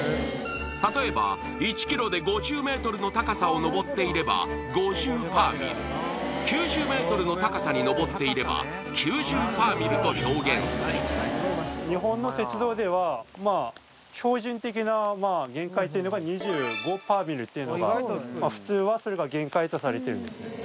例えば１ｋｍで５０ｍの高さを登っていれば５０パーミル９０ｍの高さに登っていれば９０パーミルと表現するというのが２５パーミルっていうのが普通はそれが限界とされているんですね